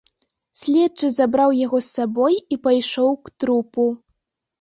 Следчы забраў яго з сабой і пайшоў к трупу.